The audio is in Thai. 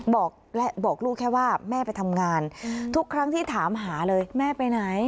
บอกและบอกลูกแค่ว่าแม่ไปทำงานทุกครั้งที่ถามหาเลยแม่ไปไหน